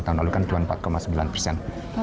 tahun lalu kan dua puluh empat sembilan persen